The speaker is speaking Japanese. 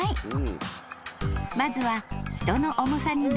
［まずは］